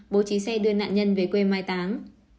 bố trí xe đưa nạn nhân về quê mai táng